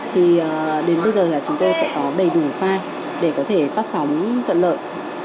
thì đến bây giờ là chúng tôi sẽ có đầy đủ file để có thể phát sóng thuận lợi